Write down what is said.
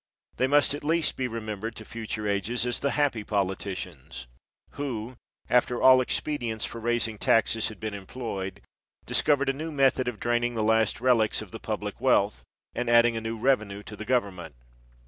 They must at least be remembered to future ages as the " happy politicians" who, after all expedients for raising taxes had been employed, discovered a new method of draining the last relics of the public wealth, and added a new revenue to the government.